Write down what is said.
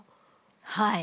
はい。